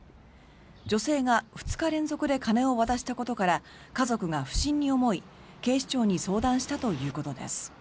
女性が２日連続で金を渡したことから家族が不審に思い、警視庁に相談したということです。